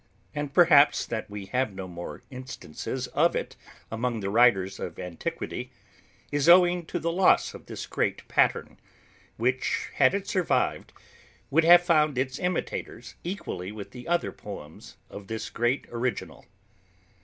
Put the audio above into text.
And perhaps, that we have no more instances of it among the writers of antiquity, is owing to the loss of this great pattern, which, had it survived, would have found its imitators equally with the other poems of this great original.